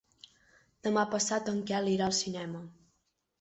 Demà passat en Quel irà al cinema.